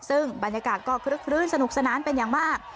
ซึ่งบรรยากาศก็คลึกคลื้นสนุกสนานเป็นอย่างมาก